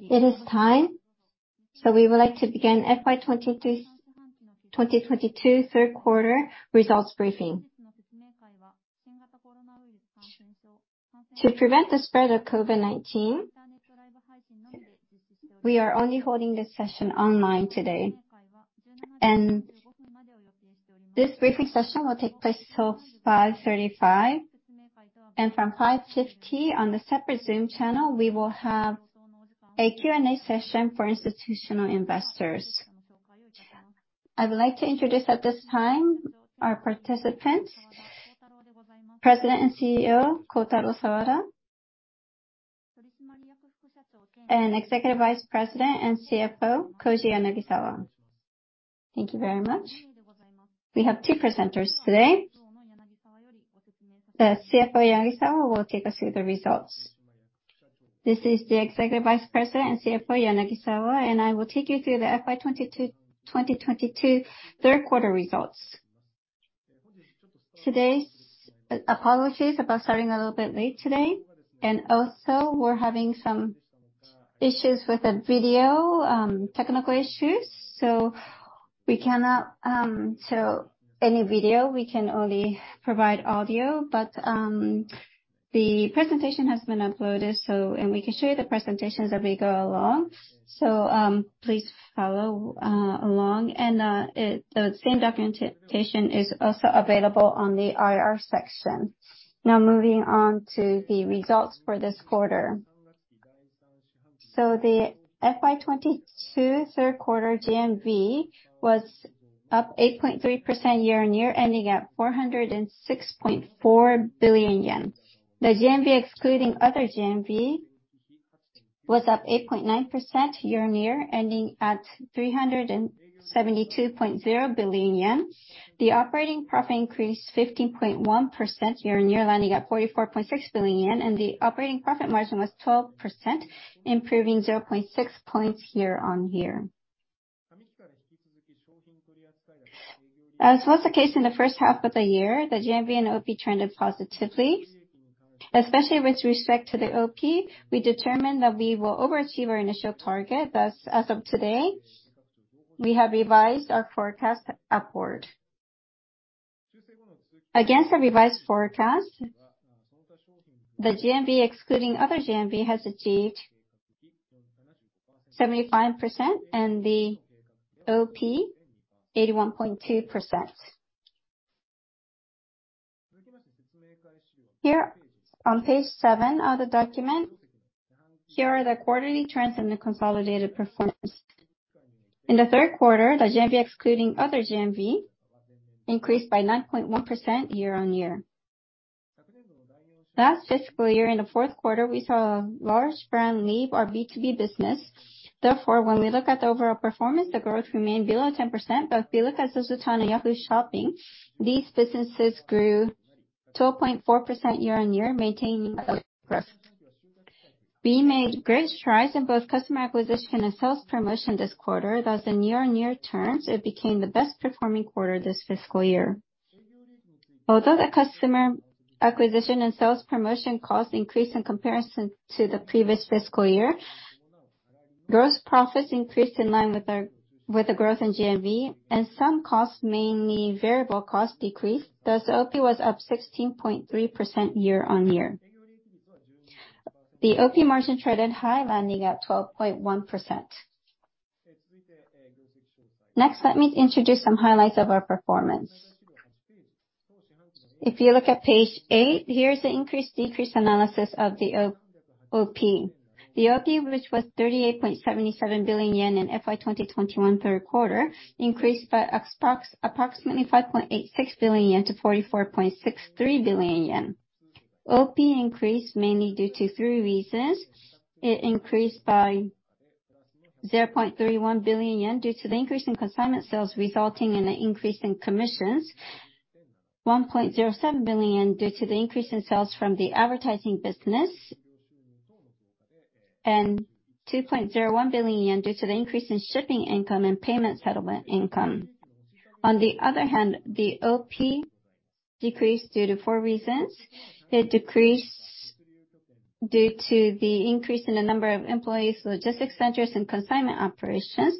It is time, we would like to begin FY 2022 third quarter results briefing. To prevent the spread of COVID-19, we are only holding this session online today. This briefing session will take place till 5:35 P.M., and from 5:50 P.M. on the separate Zoom channel, we will have a Q&A session for institutional investors. I would like to introduce at this time our participants, President and CEO, Kotaro Sawada, and Executive Vice President and CFO, Koji Yanagisawa. Thank you very much. We have two presenters today. The CFO, Yanagisawa, will take us through the results. This is the Executive Vice President and CFO, Yanagisawa, and I will take you through the FY 2022 third quarter results. Apologies about starting a little bit late today. Also, we're having some issues with the video, technical issues, so we cannot show any video. We can only provide audio. The presentation has been uploaded. We can show you the presentations as we go along. Please follow along. The same documentation is also available on the IR section. Now, moving on to the results for this quarter. The FY 2022 third quarter GMV was up 8.3% year-on-year, ending at 406.4 billion yen. The GMV, excluding other GMV, was up 8.9% year-on-year, ending at 372.0 billion yen. The operating profit increased 15.1% year-on-year, landing at 44.6 billion yen, and the operating profit margin was 12%, improving 0.6 points year-on-year. As was the case in the first half of the year, the GMV and OP trended positively. Especially with respect to the OP, we determined that we will overachieve our initial target. Thus, as of today, we have revised our forecast upward. Against our revised forecast, the GMV, excluding other GMV, has achieved 75%, and the OP, 81.2%. Here, on page seven of the document, here are the quarterly trends in the consolidated performance. In the third quarter, the GMV, excluding other GMV, increased by 9.1% year-on-year. Last fiscal year, in the fourth quarter, we saw a large brand leave our B2B business. Therefore, when we look at the overall performance, the growth remained below 10%. If you look at ZOZOTOWN and Yahoo! Shopping, these businesses grew 2.4% year-on-year, maintaining growth. We made great strides in both customer acquisition and sales promotion this quarter. In year-on-year terms, it became the best performing quarter this fiscal year. Although the customer acquisition and sales promotion costs increased in comparison to the previous fiscal year, gross profits increased in line with the growth in GMV, and some costs, mainly variable costs, decreased. OP was up 16.3% year-on-year. The OP margin traded high, landing at 12.1%. Let me introduce some highlights of our performance. If you look at page eight, here is the increase/decrease analysis of the OP. The OP, which was 38.77 billion yen in FY 2021 third quarter, increased by approximately 5.86 billion-44.63 billion yen. OP increased mainly due to three reasons. It increased by 0.31 billion yen due to the increase in consignment sales, resulting in an increase in commissions, 1.07 billion due to the increase in sales from the advertising business, and 2.01 billion yen due to the increase in shipping income and payment settlement income. The OP decreased due to four reasons. It decreased due to the increase in the number of employees, logistics centers, and consignment operations,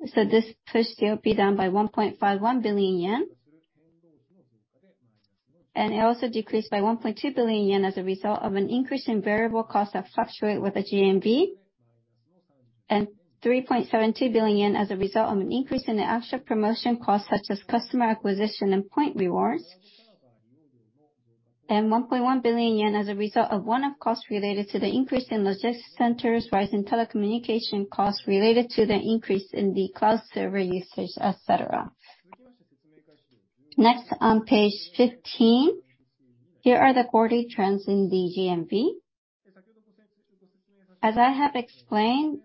this pushed the OP down by 1.51 billion yen. It also decreased by 1.2 billion yen as a result of an increase in variable costs that fluctuate with the GMV, and 3.72 billion as a result of an increase in the actual promotion costs, such as customer acquisition and point rewards, and 1.1 billion yen as a result of one-off costs related to the increase in logistics centers, rise in telecommunication costs related to the increase in the cloud server usage, et cetera. Next, on page 15, here are the quarterly trends in the GMV. As I have explained,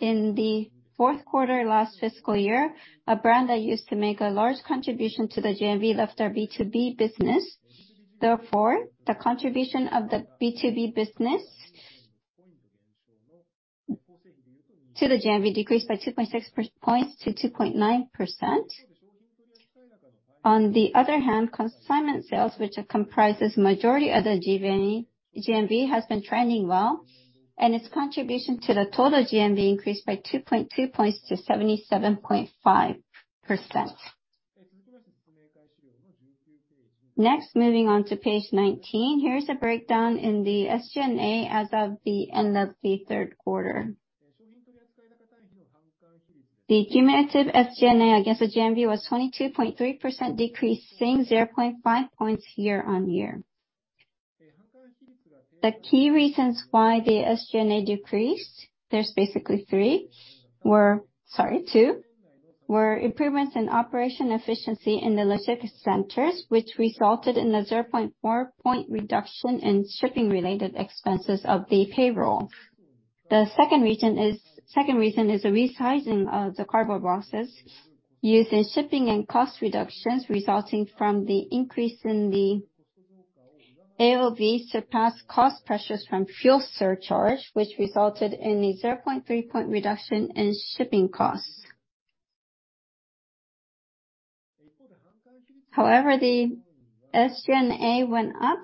in the fourth quarter last fiscal year, a brand that used to make a large contribution to the GMV left our B2B business. Therefore, the contribution of the B2B business to the GMV decreased by 2.6 percentage points to 2.9%. On the other hand, consignment sales, which comprises majority of the GMV, has been trending well, and its contribution to the total GMV increased by 2.2 percentage points to 77.5%. Next, moving on to page 19, here's a breakdown in the SG&A as of the end of the third quarter. The cumulative SG&A against the GMV was 22.3% decrease, saying 0.5 percentage points year-over-year. The key reasons why the SG&A decreased, there's basically three. Two were improvements in operation efficiency in the logistic centers, which resulted in a 0.4 percentage point reduction in shipping related expenses of the payroll. The second reason is the resizing of the cardboard boxes used in shipping and cost reductions resulting from the increase in the AOV surpassed cost pressures from fuel surcharge, which resulted in a 0.3 point reduction in shipping costs. However, the SG&A went up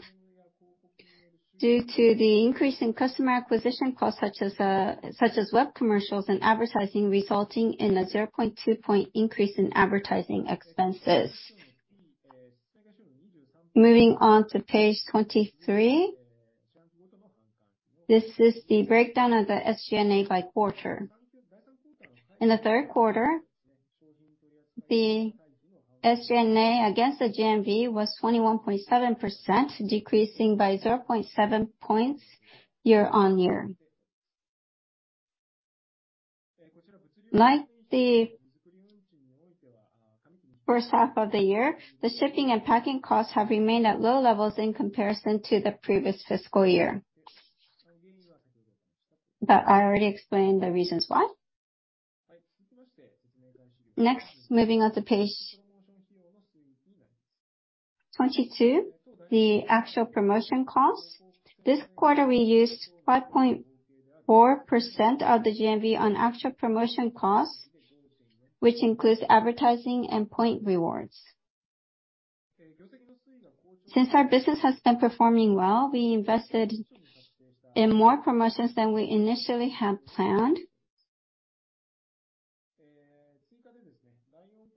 due to the increase in customer acquisition costs, such as web commercials and advertising, resulting in a 0.2 point increase in advertising expenses. Moving on to page 23, this is the breakdown of the SG&A by quarter. In the third quarter, the SG&A against the GMV was 21.7%, decreasing by 0.7 points year-on-year. Like the first half of the year, the shipping and packing costs have remained at low levels in comparison to the previous fiscal year. I already explained the reasons why. Moving on to page 22, the actual promotion costs. This quarter, we used 5.4% of the GMV on actual promotion costs, which includes advertising and point rewards. Since our business has been performing well, we invested in more promotions than we initially had planned.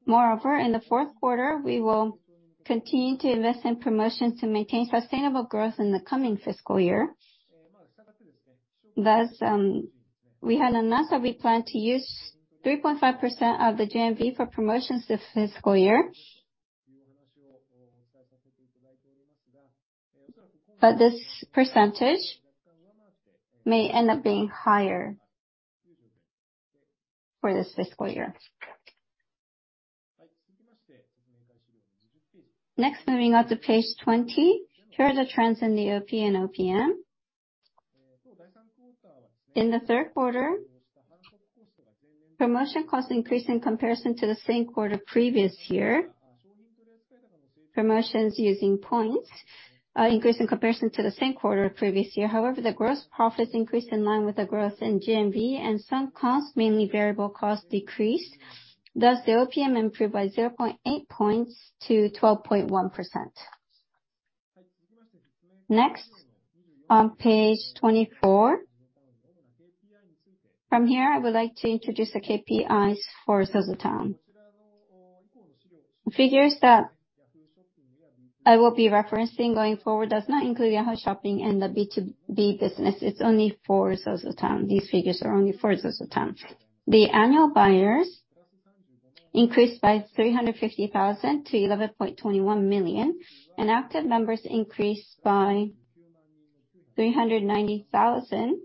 Moreover, in the fourth quarter, we will continue to invest in promotions to maintain sustainable growth in the coming fiscal year. We had announced that we plan to use 3.5% of the GMV for promotions this fiscal year. This percentage may end up being higher for this fiscal year. Moving on to page 20. Here are the trends in the OP and OPM. In the third quarter, promotion costs increased in comparison to the same quarter previous year. Promotions using points increased in comparison to the same quarter previous year. However, the gross profits increased in line with the growth in GMV and some costs, mainly variable costs, decreased. Thus, the OPM improved by 0.8 points to 12.1%. Next, on page 24. From here, I would like to introduce the KPIs for ZOZOTOWN. The figures that I will be referencing going forward does not include Yahoo! Shopping and the B2B business. It's only for ZOZOTOWN. These figures are only for ZOZOTOWN. The annual buyers increased by 350,000 to 11.21 million. Active members increased by 390,000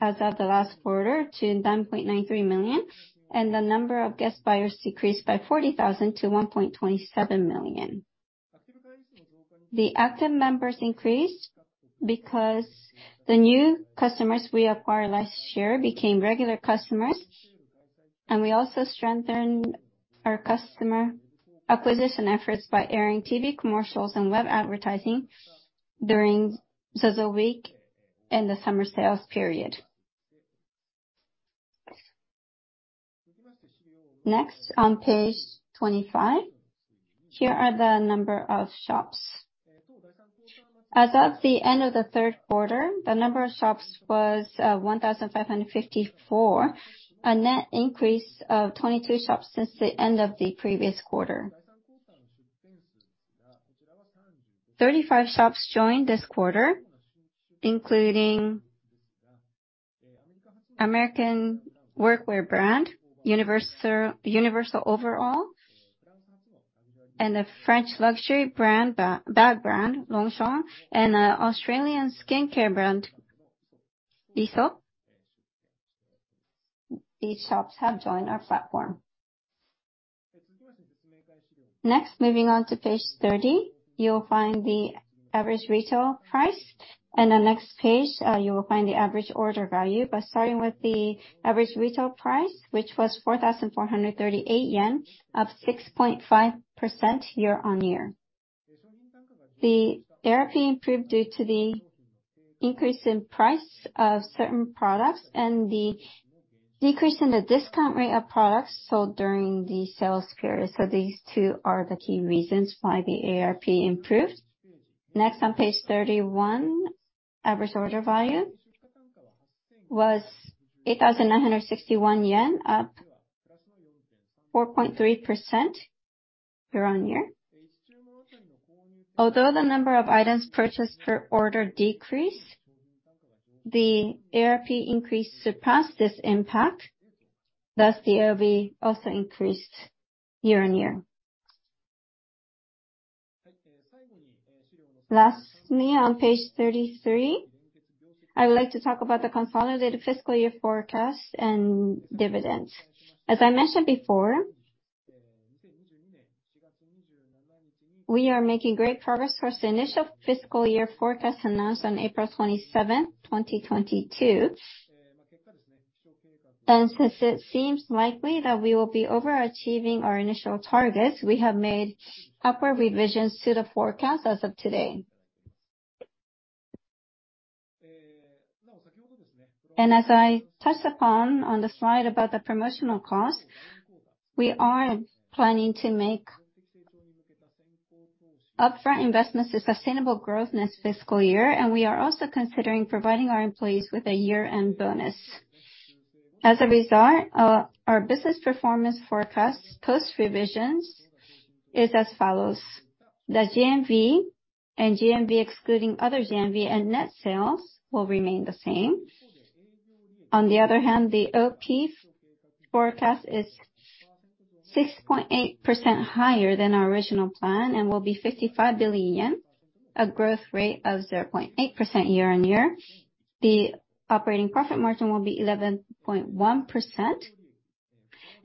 as of the last quarter to 9.93 million. The number of guest buyers decreased by 40,000 to 1.27 million. The active members increased because the new customers we acquired last year became regular customers, and we also strengthened our customer acquisition efforts by airing TV commercials and web advertising during ZOZOWEEK and the summer sales period. Next on page 25. Here are the number of shops. As of the end of the third quarter, the number of shops was 1,554, a net increase of 22 shops since the end of the previous quarter. 35 shops joined this quarter, including American workwear brand, Universal Overall, and a French luxury bag brand, Longchamp, and a Australian skincare brand, Aesop. These shops have joined our platform. Next, moving on to page 30, you'll find the average retail price. The next page, you will find the average order value. Starting with the average retail price, which was 4,438 yen, up 6.5% year-on-year. The ARP improved due to the increase in price of certain products and the decrease in the discount rate of products sold during the sales period. These two are the key reasons why the ARP improved. Next on page 31, average order value was JPY 8,961, up 4.3% year-on-year. Although the number of items purchased per order decreased, the ARP increase surpassed this impact, thus the AOV also increased year-on-year. Lastly, on page 33, I would like to talk about the consolidated fiscal year forecast and dividends. As I mentioned before, we are making great progress towards the initial fiscal year forecast announced on April 27th, 2022. Since it seems likely that we will be overachieving our initial targets, we have made upward revisions to the forecast as of today. As I touched upon on the slide about the promotional cost, we are planning to make upfront investments a sustainable growth in this fiscal year, and we are also considering providing our employees with a year-end bonus. As a result, our business performance forecast post revisions is as follows. The GMV and GMV excluding other GMV and net sales will remain the same. On the other hand, the OP forecast is 6.8% higher than our original plan and will be 55 billion yen, a growth rate of 0.8% year-on-year. The operating profit margin will be 11.1%.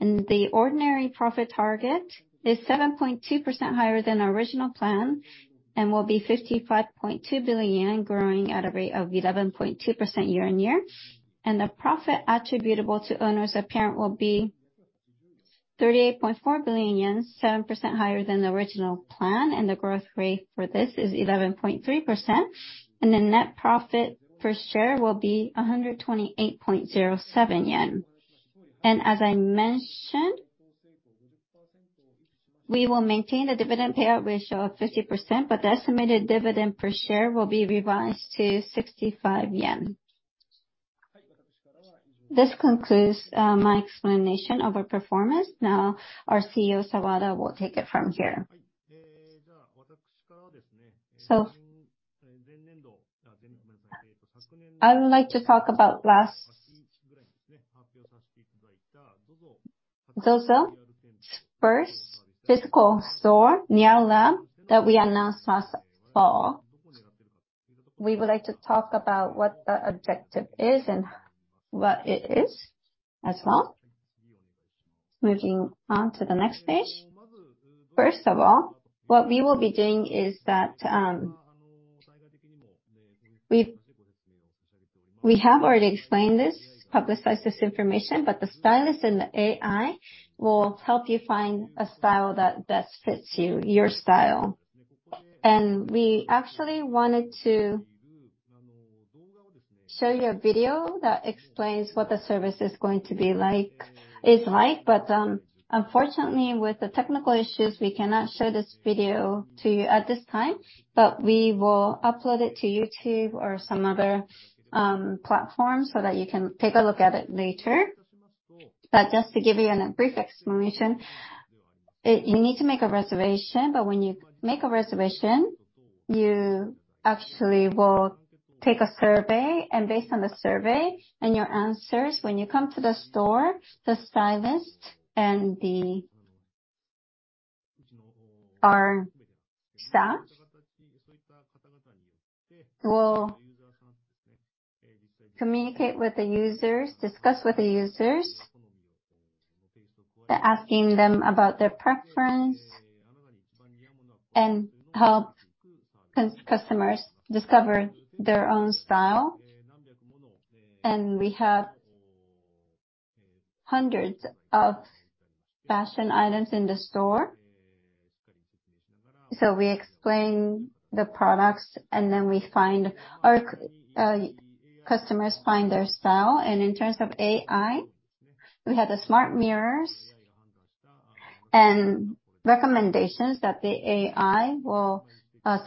The ordinary profit target is 7.2% higher than our original plan and will be 55.2 billion yen, growing at a rate of 11.2% year-on-year. The profit attributable to owners of parent will be 38.4 billion yen, 7% higher than the original plan, and the growth rate for this is 11.3%. The net profit per share will be 128.07 yen. As I mentioned, we will maintain the dividend payout ratio of 50%, but the estimated dividend per share will be revised to 65 yen. This concludes my explanation of our performance. Now our CEO, Sawada, will take it from here. I would like to talk about ZOZO first physical store, niaulab, that we announced last fall. We would like to talk about what the objective is and what it is as well. Moving on to the next page. First of all, what we will be doing is that, we have already explained this, publicized this information, but the stylist and the AI will help you find a style that best fits you, your style. We actually wanted to show you a video that explains what the service is like, but unfortunately, with the technical issues, we cannot show this video to you at this time. We will upload it to YouTube or some other platform, so that you can take a look at it later. Just to give you a brief explanation, you need to make a reservation, but when you make a reservation, you actually will take a survey. Based on the survey and your answers, when you come to the store, the stylist and our staff will communicate with the users, discuss with the users. They're asking them about their preference and help customers discover their own style. We have hundreds of fashion items in the store. We explain the products, and then we find our customers find their style. In terms of AI, we have the smart mirrors and recommendations that the AI will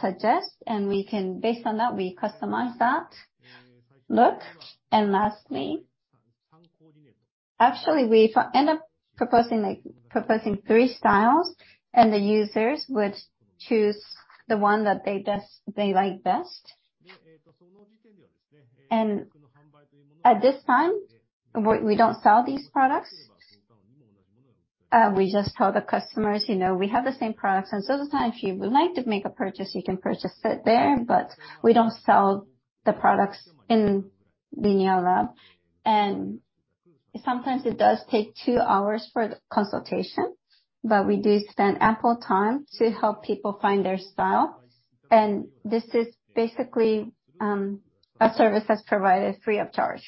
suggest. Based on that, we customize that look. Lastly, actually, we end up proposing three styles, and the users would choose the one that they like best. At this time, we don't sell these products. We just tell the customers, "You know, we have the same products on ZOZOTOWN. If you would like to make a purchase, you can purchase it there." We don't sell the products in the niaulab. Sometimes it does take two hours for the consultation, but we do spend ample time to help people find their style. This is basically a service that's provided free of charge.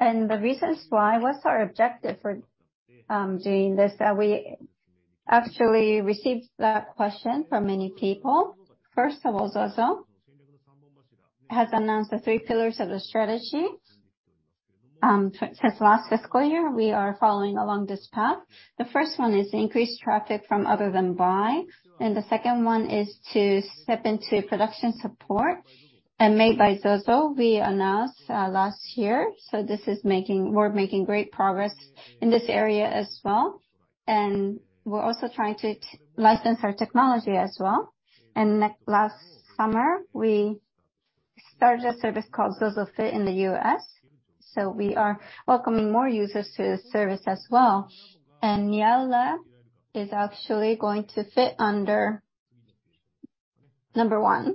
The reasons why, what's our objective for doing this? We actually received that question from many people. First of all, ZOZO has announced the three pillars of the strategy. Since last fiscal year, we are following along this path. The first one is increased traffic from other than buy, and the second one is to step into production support and Made by ZOZO. We announced last year, so this is We're making great progress in this area as well. We're also trying to license our technology as well. Last summer, we started a service called ZOZOFIT in the U.S. We are welcoming more users to the service as well. Niau is actually going to fit under number one,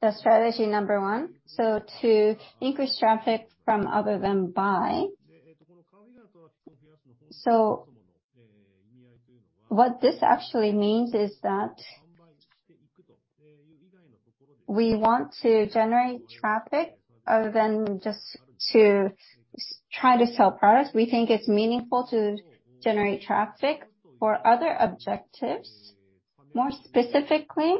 the strategy number one, to increase traffic from other than buy. What this actually means is that we want to generate traffic other than just to try to sell products. We think it's meaningful to generate traffic for other objectives. More specifically,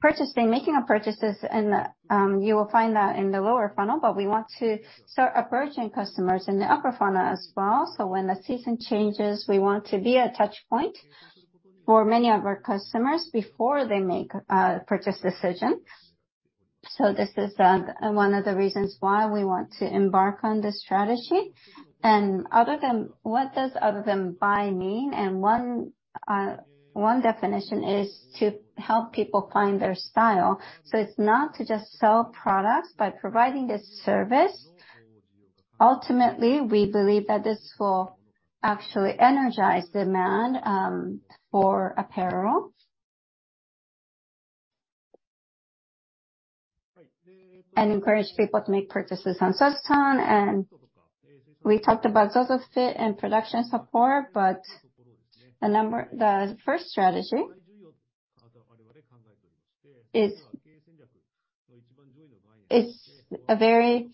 purchasing, making purchases, you will find that in the lower funnel, but we want to start approaching customers in the upper funnel as well. When the season changes, we want to be a touch point for many of our customers before they make a purchase decision. This is one of the reasons why we want to embark on this strategy. Other than... What does other than buy mean? One definition is to help people find their style. It's not to just sell products by providing this service. Ultimately, we believe that this will actually energize demand for apparel. Encourage people to make purchases on ZOZOTOWN. We talked about ZOZOFIT and production support, but the first strategy is, it's a very...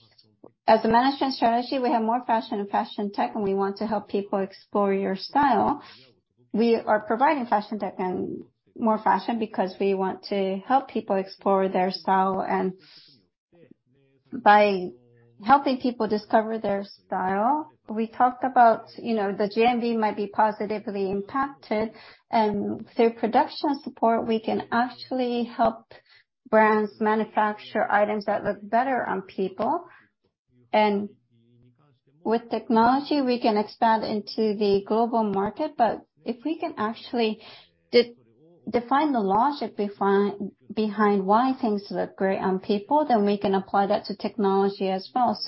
As a management strategy, we have more fashion and fashion tech, and we want to help people explore your style. We are providing fashion tech and more fashion because we want to help people explore their style. By helping people discover their style, we talked about, you know, the GMV might be positively impacted. Through production support, we can actually help brands manufacture items that look better on people. With technology, we can expand into the global market. If we can actually de-define the logic behind why things look great on people, then we can apply that to technology as well.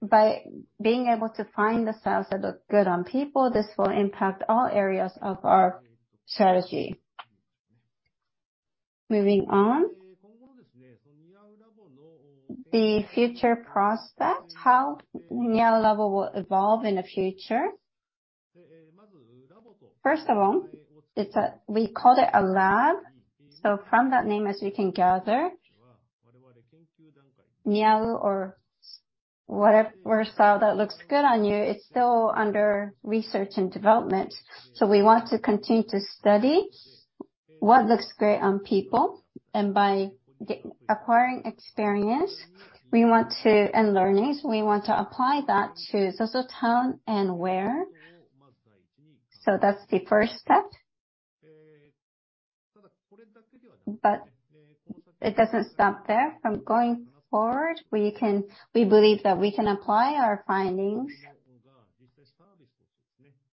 By being able to find the styles that look good on people, this will impact all areas of our strategy. Moving on. The future prospect, how niaulab will evolve in the future. First of all, it's We called it a lab, so from that name as we can gather, niau or whatever style that looks good on you, it's still under research and development. We want to continue to study what looks great on people. By acquiring experience, we want to. Learnings, we want to apply that to ZOZOTOWN and WEAR. That's the first step. It doesn't stop there. From going forward, we believe that we can apply our findings.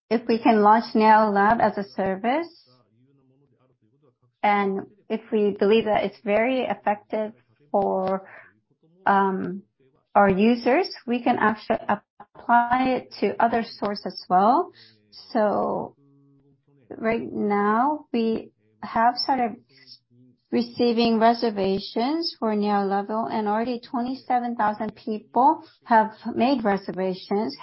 If we can launch niaulab as a service, and if we believe that it's very effective for our users, we can actually apply it to other stores as well. Right now, we have started receiving reservations for niaulab, and already 27,000 people have made reservations.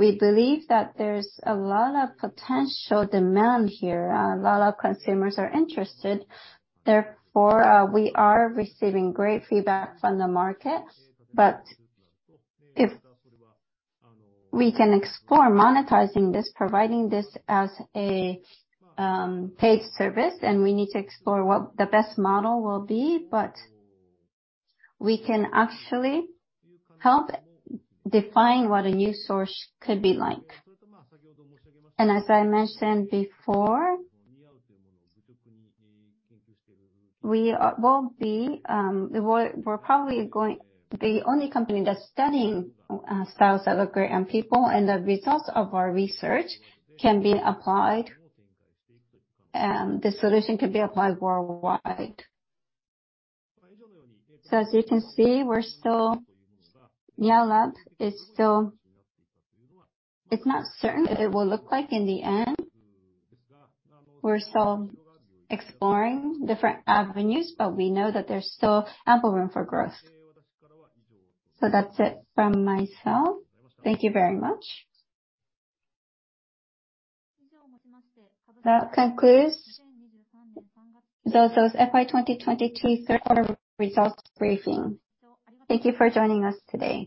We believe that there's a lot of potential demand here. A lot of consumers are interested. Therefore, we are receiving great feedback from the market. If we can explore monetizing this, providing this as a paid service, and we need to explore what the best model will be, but we can actually help define what a new source could be like. As I mentioned before, we're probably going the only company that's studying styles that look great on people and the results of our research can be applied, the solution can be applied worldwide. As you can see, we're still... niaulab is still... It's not certain what it will look like in the end. We're still exploring different avenues, but we know that there's still ample room for growth. That's it from myself. Thank you very much. That concludes ZOZO's FY 2023 third quarter results briefing. Thank you for joining us today.